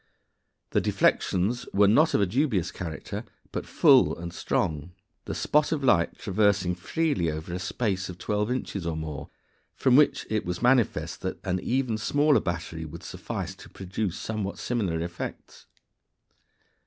The deflections were not of a dubious character, but full and strong, the spot of light traversing freely over a space of twelve inches or more, from which it was manifest that an even smaller battery would suffice to produce somewhat similar effects.